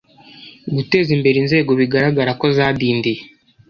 gutezimbere inzego bigaragara ko zadindiye,